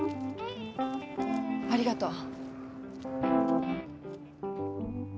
ありがとう。